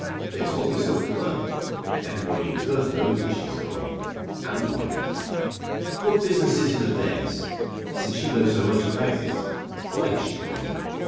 "They told me so at the club. Everybody in Perth knows that she has gone; and why." "What business is it of theirs? Since you know so much about it, why has she gone?"